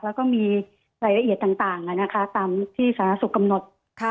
แล้วก็มีรายละเอียดต่างตามที่สาธารณสุขกำหนด